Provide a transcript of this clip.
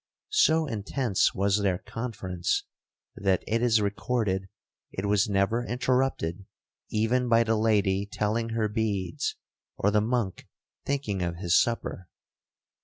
So intense was their conference, that it is recorded it was never interrupted even by the lady telling her beads, or the monk thinking of his supper.